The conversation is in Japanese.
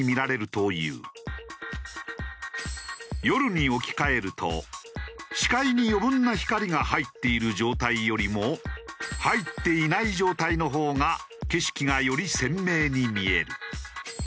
夜に置き換えると視界に余分な光が入っている状態よりも入っていない状態のほうが景色がより鮮明に見える。